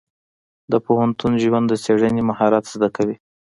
د پوهنتون ژوند د څېړنې مهارت زده کوي.